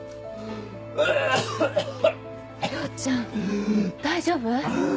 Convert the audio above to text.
遼ちゃん大丈夫？